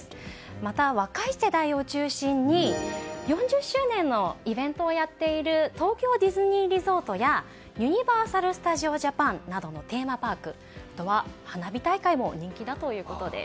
また、若い世代を中心に４０周年のイベントをやっている東京ディズニーリゾートやユニバーサル・スタジオ・ジャパンなどのテーマパークやあとは花火大会も人気だということです。